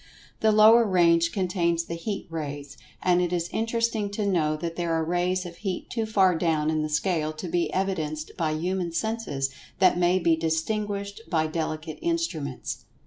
The lower range contains the heat rays, and it is interesting to know that there are rays of heat too far down in the scale to be evidenced by human senses that may be distinguished by delicate instruments.